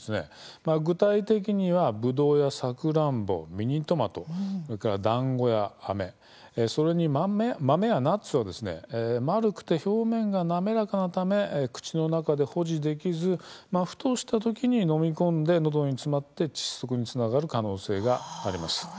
具体的には、ぶどうやさくらんぼミニトマト、それからだんごやあめそれに豆やナッツは丸くて表面が滑らかなため口の中で保持できずふとしたときに飲み込んでのどに詰まって窒息につながる可能性があります。